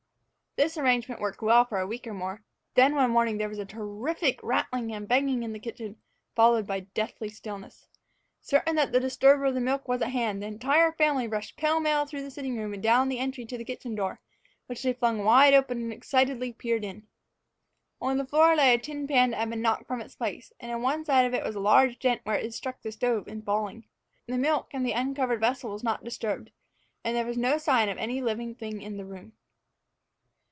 This arrangement worked well for a week or more; then one morning there was a terrific rattling and banging in the kitchen, followed by deathly stillness. Certain that the disturber of the milk was at hand, the entire family rushed pell mell through the sitting room and down the entry to the kitchen door, which they flung wide open, and excitedly peered in. On the floor lay a tin pan that had been knocked from its place, and in one side of it was a large dent where it had struck the stove in falling. The milk in the uncovered vessel was not disturbed, and there was no sign of any living thing in the room.